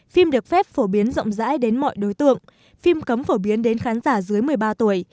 phim được phép phổ biến rộng rãi đến mọi đối tượng phim cấm phổ biến đến khán giả dưới một mươi ba tuổi